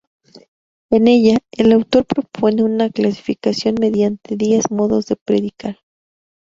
En ella, el autor propone una clasificación mediante diez modos de predicar.